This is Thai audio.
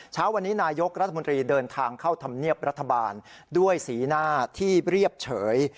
เช้าวันนี้นายกรัฐมนตรีเดินทางเข้าธรรมเนียบรัฐบาลด้วยสีหน้าที่เรียบเฉย